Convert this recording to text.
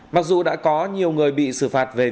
mặc dù đã có nhiều người bị xử phạt về viên đạn